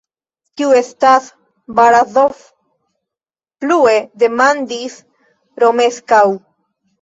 Kiu estas Barazof? plue demandis Romeskaŭ.